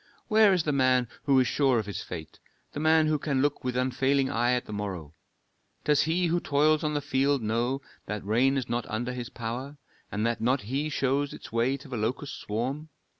"Where is the man who is sure of his fate, the man who can look with unfailing eye at the morrow? Does he who toils on the field know that rain is not under his power, and that not he shows its way to the locust swarm?